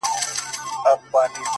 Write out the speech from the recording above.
ما دي ویلي کله قبر نایاب راکه ـ